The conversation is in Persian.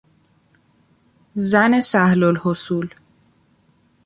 زن سهلالحصول